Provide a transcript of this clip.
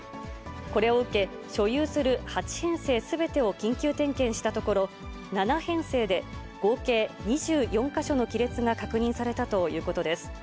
これを受け、所有する８編成すべてを緊急点検したところ、７編成で合計２４か所の亀裂が確認されたということです。